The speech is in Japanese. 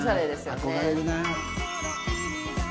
憧れるな。